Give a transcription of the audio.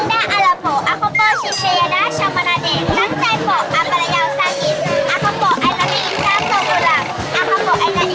อักภพไอแนลิกาลิบังบายตรัง